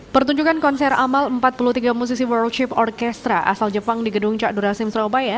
pertunjukan konser amal empat puluh tiga musisi world ship orchestra asal jepang di gedung cakdurasim surabaya